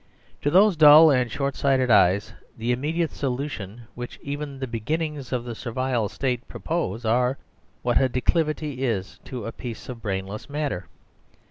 To those dull and short sighted eyes the immediate solution which even the beginnings of the Servile State propose are what a declivity is to a piece of brainless matter.